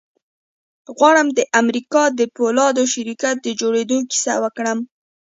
غواړم د امريکا د پولادو شرکت د جوړېدو کيسه وکړم.